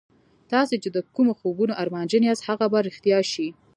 تاسې چې د کومو خوبونو ارمانجن یاست هغه به رښتیا شي